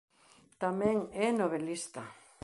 Tamén é novelista.